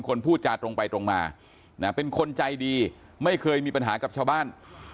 พูดจาตรงไปตรงมานะเป็นคนใจดีไม่เคยมีปัญหากับชาวบ้าน